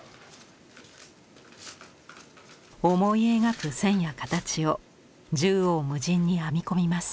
思い描く線や形を縦横無尽に編み込みます。